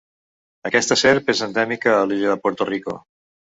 Aquesta serp és endèmica a l'illa de Puerto Rico.